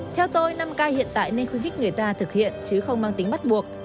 theo tôi năm ca hiện tại nên khuyến khích người ta thực hiện chứ không mang tính bắt buộc